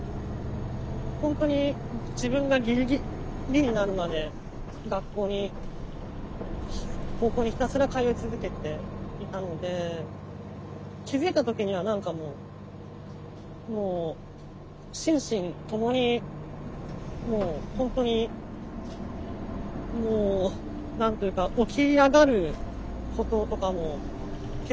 本当に自分がギリギリになるまで学校に高校にひたすら通い続けていたので気付いた時には何かもうもう心身ともにもう本当にもう何というか起き上がることとかも結構大変だったり。